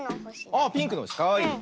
あっピンクのほしかわいいね。